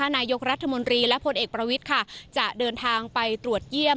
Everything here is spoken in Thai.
นายกรัฐมนตรีและผลเอกประวิทย์ค่ะจะเดินทางไปตรวจเยี่ยม